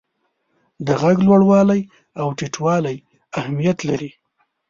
د ږغ لوړوالی او ټیټوالی اهمیت لري.